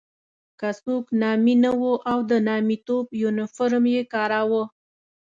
که څوک نامي نه وو او د نامیتوب یونیفورم یې کاراوه.